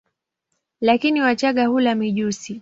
Lakini wachanga hula mijusi.